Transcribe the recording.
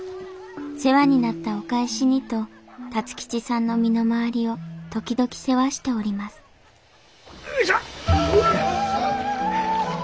世話になったお返しにと辰吉さんの身の回りを時々世話しておりますよいしょ！